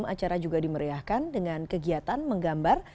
acara juga dimeriahkan dengan kegiatan menggambar